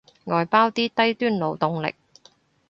外包啲低端勞動力